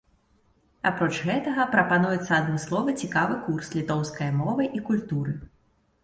Апроч гэтага прапануецца адмысловы цікавы курс літоўскае мовы і культуры.